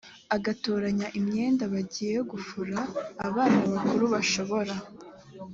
agatoranya imyenda bagiye gufura abana bakuru bashobora